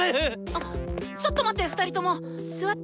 あっちょっと待って２人とも座って。